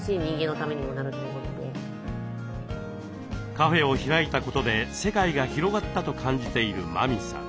カフェを開いたことで世界が広がったと感じている麻美さん。